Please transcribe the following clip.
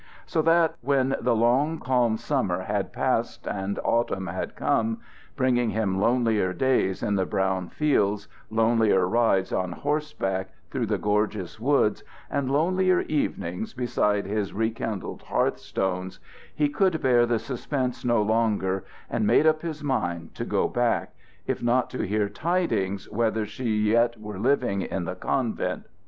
So that when the long, calm summer had passed and autumn had come, bringing him lonelier days in the brown fields, lonelier rides on horseback through the gorgeous woods, and lonelier evenings beside his rekindled hearth stones, he could bear the suspense no longer, and made up his mind to go back, if but to hear tidings whether she yet were living in the convent.